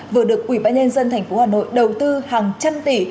vừa được quỹ bãi nhân dân thành phố hà nội đầu tư hàng trăm tỷ